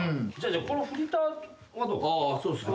じゃあこのフリーターはどう？